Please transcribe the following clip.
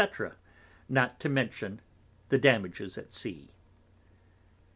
_ not to mention the Damages at Sea.